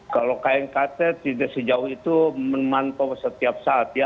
kalau knkt tidak sejauh itu memantau setiap saat ya